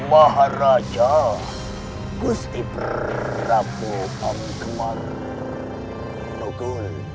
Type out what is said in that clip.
mbaharaja gusti prabu amuk maroko